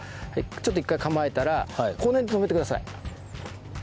ちょっと１回構えたらこの辺で止めてください。